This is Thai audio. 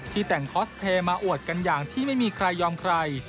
แต่งคอสเพลย์มาอวดกันอย่างที่ไม่มีใครยอมใคร